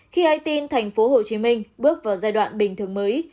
khi ai tin tp hcm bước vào giai đoạn bình thường mới